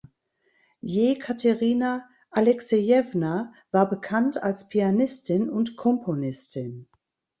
Jekaterina Alexejewna war bekannt als Pianistin und Komponistin.